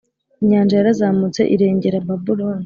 Inyanja yarazamutse irengera Babuloni